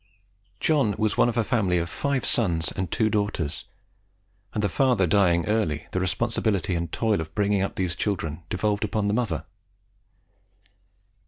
John was one of a family of five sons and two daughters, and the father dying early, the responsibility and the toil of bringing up these children devolved upon the mother.